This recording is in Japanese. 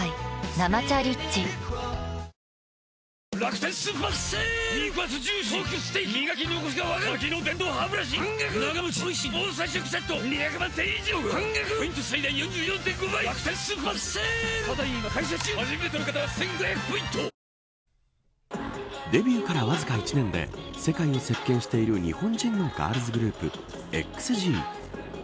「生茶リッチ」デビューからわずか１年で世界を席巻している日本人のガールズグループＸＧ。